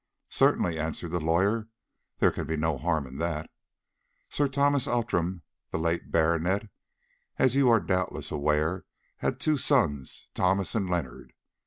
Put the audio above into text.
"Certainly," answered the lawyer, "there can be no harm in that. Sir Thomas Outram, the late baronet, as you are doubtless aware, had two sons, Thomas and Leonard.